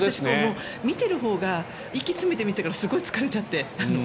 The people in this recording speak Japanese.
見ているほうが息詰めていてだから、すごい疲れちゃって。